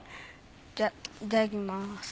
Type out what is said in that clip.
じゃいただきます。